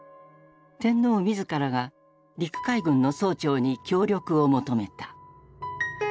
天皇自らが陸海軍の総長に協力を求めた。